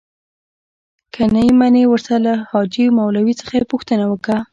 که نې منې ورسه له حاجي مولوي څخه پوښتنه وکه.